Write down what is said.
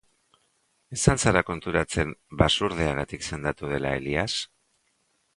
Ez al zara konturatzen basurdeagatik sendatu dela Elias?